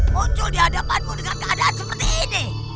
muncul di hadapanmu dengan keadaan seperti ini